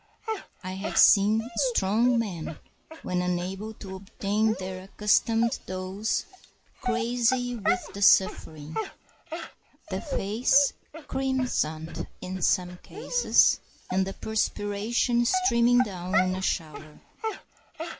I have seen strong men, when unable to obtain their accustomed dose, crazy with the suffering, the face crimsoned in some cases, and the perspiration streaming down in a shower.